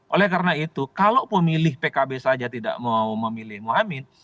oleh karena itu kalau pemilih pkb saja tidak mau memilih mohaimin